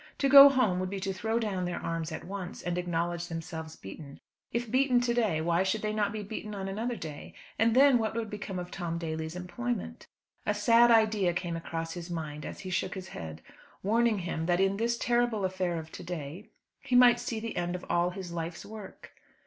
To go home would be to throw down their arms at once, and acknowledge themselves beaten. If beaten to day, why should they not be beaten on another day, and then what would become of Tom Daly's employment? A sad idea came across his mind, as he shook his head, warning him that in this terrible affair of to day, he might see the end of all his life's work.